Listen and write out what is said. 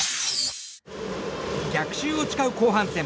逆襲を誓う後半戦。